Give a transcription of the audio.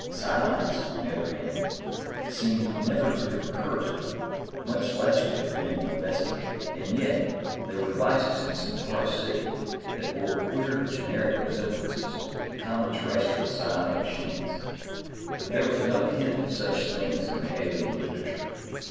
Psionics, on the other hand, seemed never to have occurred to them, much less to have been investigated. And yet, there were devices in Centaurus City that bore queer generic resemblances to common Terrestrial psionic machines. But there was no hint of such things in the alien literature.